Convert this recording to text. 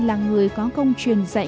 là người có công truyền dạy